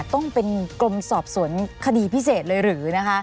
ต้องเป็นกรมสอบสวนคดีพิเศษเลยหรือนะคะ